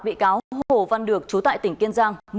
bị cáo hồ văn được chú tại tỉnh kiên giang